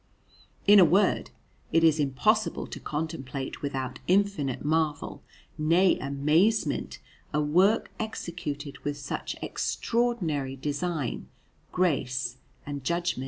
In a word, it is impossible to contemplate without infinite marvel nay, amazement a work executed with such extraordinary design, grace, and judgment.